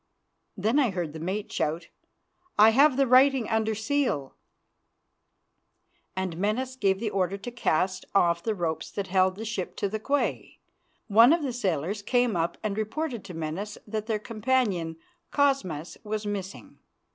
Then I heard the mate shout: "I have the writing under seal," and Menas gave the order to cast off the ropes that held the ship to the quay. One of the sailors came up and reported to Menas that their companion, Cosmas, was missing.